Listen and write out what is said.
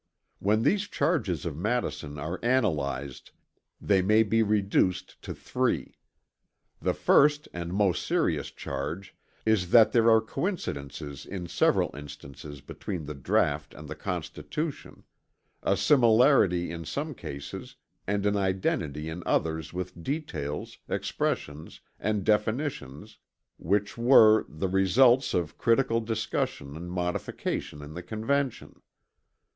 When these charges of Madison are analyzed they may be reduced to three. The first and most serious charge is that there are coincidences "in several instances" between the draught and the Constitution "a similarity in some cases and an identity in others with details, expressions and definitions" which were "the results of critical discussion and modification in the Convention."